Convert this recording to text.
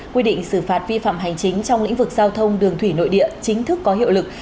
quy định xử phạt vi phạm hành chính trong lĩnh vực giao thông đường thủy nội địa chính thức có hiệu lực